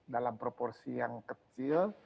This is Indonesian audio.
dalam proporsi yang kecil